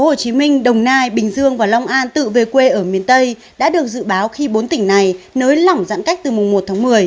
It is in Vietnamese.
hồ chí minh đồng nai bình dương và long an tự về quê ở miền tây đã được dự báo khi bốn tỉnh này nới lỏng giãn cách từ mùng một tháng một mươi